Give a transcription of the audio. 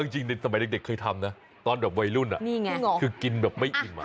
จริงในสมัยเด็กเคยทำนะตอนแบบวัยรุ่นคือกินแบบไม่อิ่ม